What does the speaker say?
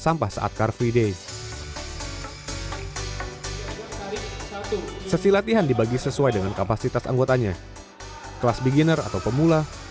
sampah saat car laisse sesi latihan dibagi sesuai dengan kapasitas anggotanya gengener pemula